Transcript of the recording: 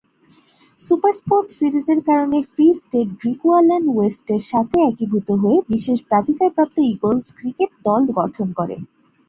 SuperSport সিরিজের কারণে Free State, Griqualand ওয়েস্টের সাথে একীভূত হয়ে বিশেষ প্রাধিকারপ্রাপ্ত ঈগলস ক্রিকেট দল গঠন করে।